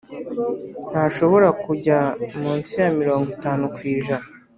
Ntashobora kujya munsi ya mirongo itanu ku ijana